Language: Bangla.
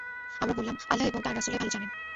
আমরা বললাম, আল্লাহ এবং তাঁর রাসূলই ভাল জানেন।